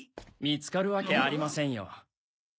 見つかるわけありませんよ。